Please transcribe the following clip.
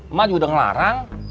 emang juga udah ngelarang